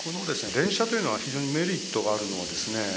連射というのは非常にメリットがあるのはですね